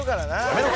やめろ